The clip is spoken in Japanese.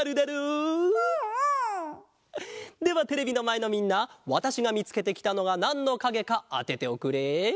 ではテレビのまえのみんなわたしがみつけてきたのがなんのかげかあてておくれ。